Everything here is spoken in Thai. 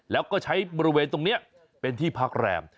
แล้วก็ใช้บริเวณตรงนี้เป็นที่พักแรม